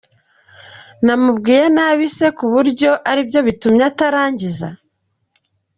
Namubwiye nabi se ku buryo aribyo bitumye atarangiza ?.